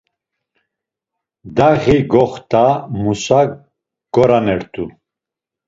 Daği goxt̆a Musa goranert̆u.